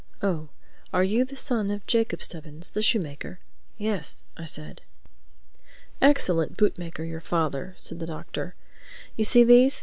"Oh, are you the son of Jacob Stubbins, the shoemaker?" "Yes," I said. "Excellent bootmaker, your father," said the Doctor. "You see these?"